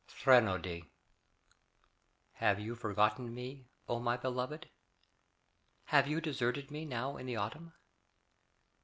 THRENODY Have you forgotten me, O my beloved? Have you deserted me Now in the autumn?